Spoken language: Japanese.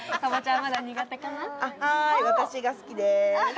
はいはい私が好きです